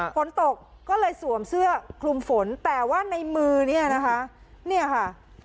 ฝนตกก็เลยสวมเสื้อคลุมฝนแต่ว่าในมือเนี่ยนะคะเนี่ยค่ะ